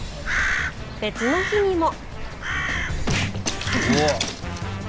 別の日にも。